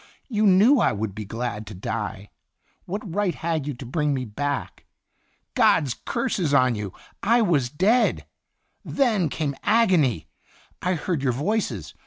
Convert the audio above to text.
You knew I would be glad to die. What right had you to bring me back? God's curses on you! I was dead. Then came agony. I heard your voices.